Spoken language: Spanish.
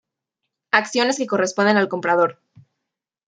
Acciones que corresponden al comprador.